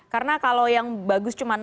karena kalau yang bagus cuma enam persen